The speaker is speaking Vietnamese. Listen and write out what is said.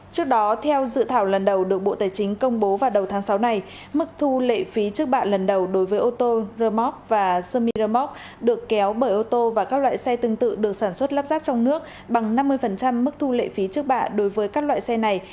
trước đó theo dự thảo lần đầu được bộ tài chính công bố vào đầu tháng sáu này mức thu lệ phí trước bạ lần đầu đối với ô tô rơ móc và sơ mi rơ móc được kéo bởi ô tô và các loại xe tương tự được sản xuất lắp ráp trong nước bằng năm mươi mức thu lệ phí trước bạ đối với các loại xe này